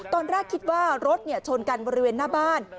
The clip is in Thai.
ตอนแรกคิดว่ารถชนกันบริเวณหน้าบ้าน